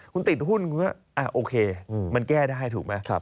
คุณติดหุ้นคุณก็โอเคมันแก้ได้ถูกไหม